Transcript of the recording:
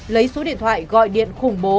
lấy số điện thoại gọi điện khủng bố